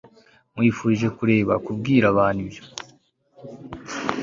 nkwifurije kureka kubwira abantu ibyo